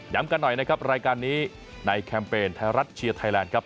กันหน่อยนะครับรายการนี้ในแคมเปญไทยรัฐเชียร์ไทยแลนด์ครับ